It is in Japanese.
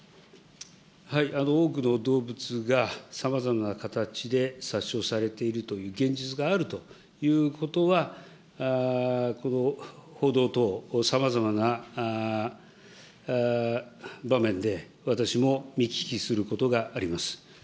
多くの動物が、さまざまな形で殺傷されているという現実があるということは、報道等、さまざまな場面で私も見聞きすることがあります。